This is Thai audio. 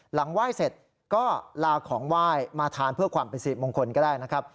หลังไหว้เสร็จก็ลาของไหว้มาทานเพื่อความเป็นสิริมงคลก็ได้นะครับ